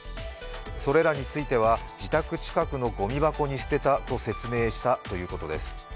それらについては自宅近くのごみ箱に捨てたと説明したということです。